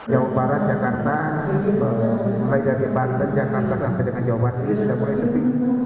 jawa barat jakarta mulai dari banten jakarta sampai dengan jawa barat ini sudah mulai sepi